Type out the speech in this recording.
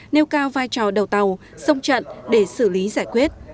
nêu cao vai trò đầu tàu sông trận để xử lý giải quyết